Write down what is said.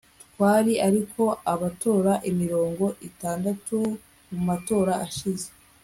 Twari ariko abatora mirongo itandatu mumatora ashize